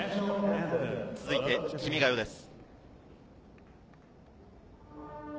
続いて『君が代』です。